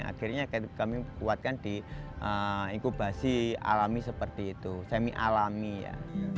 akhirnya kami kuatkan di inkubasi alami seperti itu semi alami ya